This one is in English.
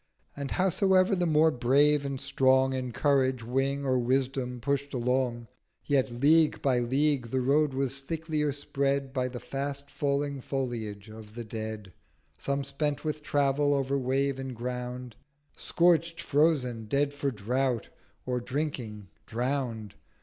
And howsoever the more Brave and Strong In Courage, Wing, or Wisdom push'd along, Yet League by League the Road was thicklier spread By the fast falling Foliage of the Dead: Some spent with Travel over Wave and Ground; Scorcht, frozen, dead for Drought, or drinking drown'd.